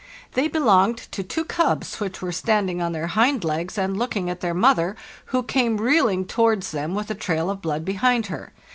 They belonged to two cubs, which were standing on their hind legs and looking at their mother, who came reeling towards them, with a trail of blood behind her.